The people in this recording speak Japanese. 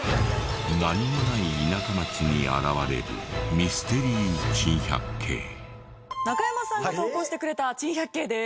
何もない田舎町に現れる中山さんが投稿してくれた珍百景です。